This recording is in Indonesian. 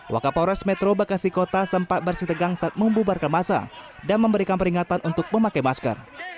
wakapolres metro bekasi kota sempat bersih tegang saat membubarkan masa dan memberikan peringatan untuk memakai masker